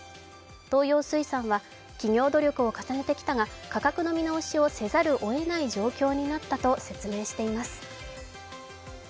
東洋水産は企業努力を重ねてきたが価格の見直しをせざるをえない状況になったと説明しています。